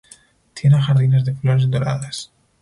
Tiene jardines de flores doradas.